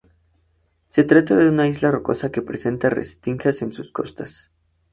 Se trata de una isla rocosa que presenta restingas en sus costas.